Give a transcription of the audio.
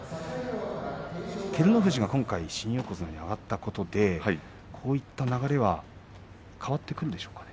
照ノ富士、今回、新横綱に上がったことでこういった流れは変わってくるでしょうか。